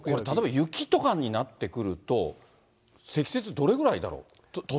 例えば雪とかになってくると、積雪どれぐらいだろう？